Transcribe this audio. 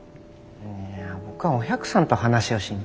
いや僕はお百さんと話をしに。